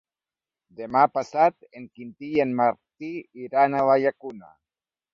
Demà passat en Quintí i en Martí iran a la Llacuna.